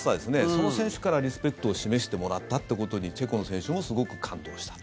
その選手からリスペクトを示してもらったってことにチェコの選手もすごく感動した。